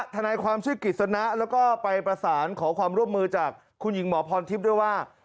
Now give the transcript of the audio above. ทนายความชื่อกฤษณะแล้วก็ไปประสานขอความร่วมมือจากคุณหญิงหมอพรทิพย์ด้วยว่า